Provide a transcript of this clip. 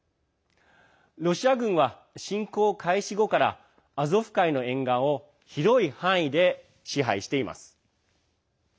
ロシア軍は侵攻開始後からアゾフ海の沿岸を広い範囲で支配しています。